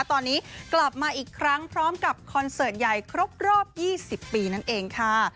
ตอนนี้กลับมาอีกครั้งพร้อมกับคอนเสิร์ตใหญ่ครบรอบ๒๐ปีนั่นเองค่ะ